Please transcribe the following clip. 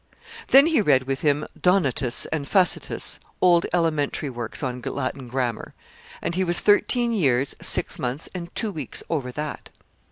Then he read with him Donotus and Facetus (old elementary works on Latin grammar), and he was thirteen years, six months, and two weeks over that.